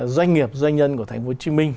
doanh nghiệp doanh nhân của tp hcm